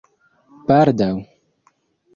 baldaŭ